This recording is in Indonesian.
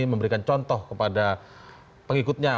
memberikan contoh kepada pengikutnya